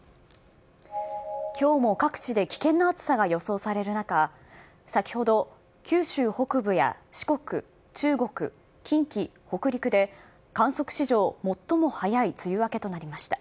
きょうも各地で危険な暑さが予想される中、先ほど、九州北部や四国、中国、近畿、北陸で観測史上最も早い梅雨明けとなりました。